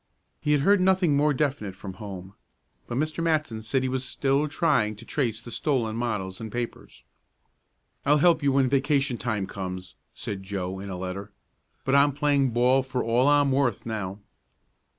He had heard nothing more definite from home, but Mr. Matson said he was still trying to trace the stolen models and papers. "I'll help you when vacation time comes," said Joe in a letter. "But I'm playing ball for all I'm worth now."